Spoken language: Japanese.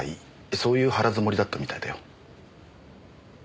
そういう腹積もりだったみたいだよ。